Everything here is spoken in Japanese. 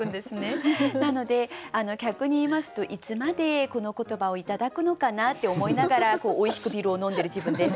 なので逆に言いますといつまでこの言葉を頂くのかなって思いながらおいしくビールを飲んでる自分です。